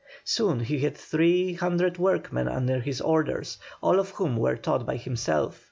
Soon he had three hundred workmen under his orders, all of whom were taught by himself.